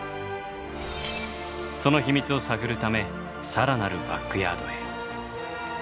その秘密を探るため更なるバックヤードへ。